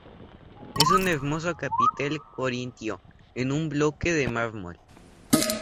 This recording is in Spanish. Es un hermoso capitel corintio en un bloque de mármol.